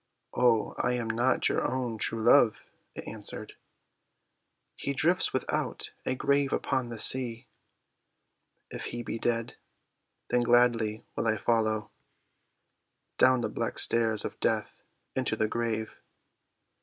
"O, I am not your own true love," it answered, "He drifts without a grave upon the sea." "If he be dead, then gladly will I follow Down the black stairs of death into the grave."